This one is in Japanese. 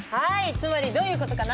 つまりどういう事かな？